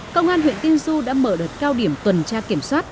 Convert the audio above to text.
công an huyện tiên du đã mở đợt cao điểm tuần tra kiểm soát